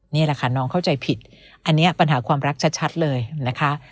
นี่แหละค่ะน้องเข้าใจผิดอันนี้ปัญหาความรักชัดเลยนะคะ